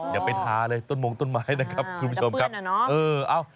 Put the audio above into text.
อย่าไปทาเลยต้นมงต้นไม้นะครับคุณผู้ชมครับ